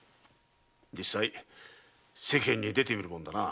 実際世間に出てみるもんだな。